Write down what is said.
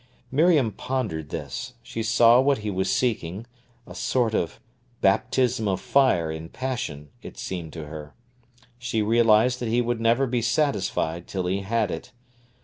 Miriam pondered this. She saw what he was seeking—a sort of baptism of fire in passion, it seemed to her. She realised that he would never be satisfied till he had it.